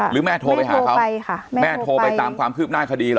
หรือแม่โทรไปหาเขาแม่โทรไปตามความคืบหน้าคดีหรอ